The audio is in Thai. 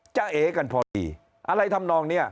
เอ๋กันพอดีอะไรทำนองเนี่ย